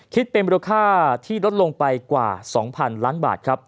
คิดเป็นบริษัทที่ลดลงไปกว่า๒๐๐๐ล้านบาท